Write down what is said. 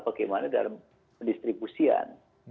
bagaimana dalam pendistribusian